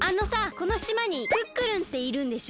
このしまにクックルンっているんでしょ？